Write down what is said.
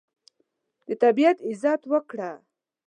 د طبیعت عزت وکړه.